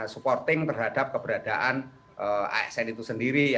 supporting terhadap keberadaan asn itu sendiri